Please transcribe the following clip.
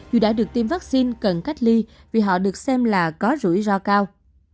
dù đã được tiêm vaccine cần cách ly vì họ được xem là có rủi ro cao